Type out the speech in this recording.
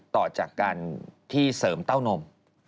ต่อจากการที่เสริมเต้านม